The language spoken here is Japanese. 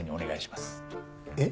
えっ？